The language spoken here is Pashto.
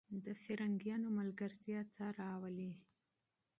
د انګرېزانو دوستي ته راولي.